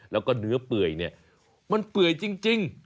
แล้วก็เนื้อเปื่อยเนี่ยมันเปื่อยจริง